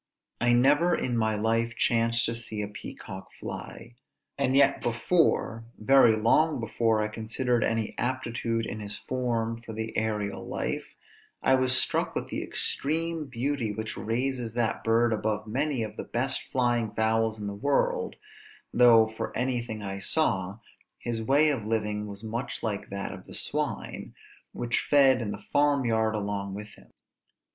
I never in my life chanced to see a peacock fly; and yet before, very long before I considered any aptitude in his form for the aërial life, I was struck with the extreme beauty which raises that bird above many of the best flying fowls in the world; though, for anything I saw, his way of living was much like that of the swine, which fed in the farm yard along with him.